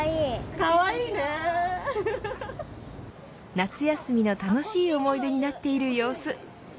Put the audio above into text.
夏休みの楽しい思い出になっている様子。